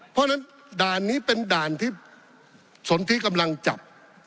เพราะฉะนั้นด่านนี้เป็นด่านที่สนที่กำลังจับ